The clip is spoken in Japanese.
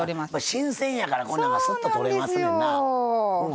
新鮮やから骨もスッと取れますねんな。